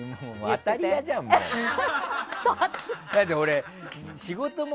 当たり屋じゃん、もう。